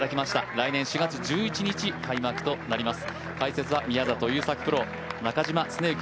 来年４月１１日、開幕となります。